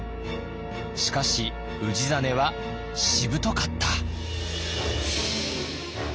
しかし氏真はしぶとかった。